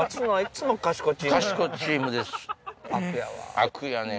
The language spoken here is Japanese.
悪やねん